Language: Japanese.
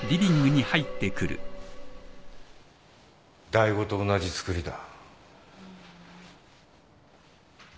醍醐と同じ造りだ。